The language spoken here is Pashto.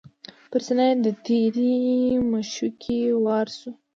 پر سینه یې د تیرې مشوکي وار سو